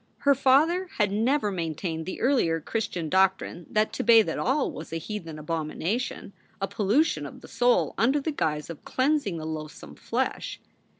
Her father had never maintained the earlier Chris tian doctrine that to bathe at all was a heathen abomination, a pollution of the soul under the guise of cleansing the loathsome flesh.